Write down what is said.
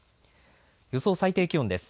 予想最低気温です。